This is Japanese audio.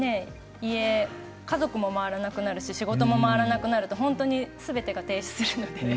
家族も回らなくなるし仕事も回らなくなるとすべてが停止するので。